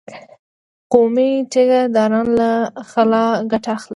قومي ټيکه داران له خلا ګټه اخلي.